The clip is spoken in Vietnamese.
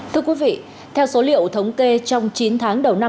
thưa quý vị theo số liệu thống kê trong chín tháng đầu